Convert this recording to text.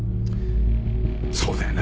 そうだよな。